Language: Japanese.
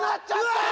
うわ！